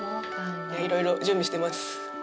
いろいろ準備してます